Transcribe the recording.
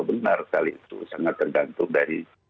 benar sekali itu sangat tergantung dari